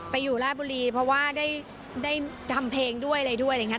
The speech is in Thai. อยู่ราชบุรีเพราะว่าได้ทำเพลงด้วยอะไรด้วยอะไรอย่างนี้